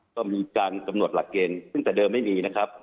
ก็มีการกำหนดหลักเกณฑ์ซึ่งแต่เดิมไม่มีนะครับ